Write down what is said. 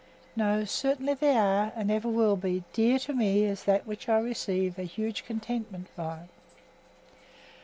No, certainly they are, and ever will be, dear to me as that which I receive a huge contentment by.